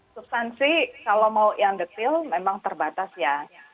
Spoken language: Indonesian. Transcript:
substansi kalau mau yang detail memang terbatas ya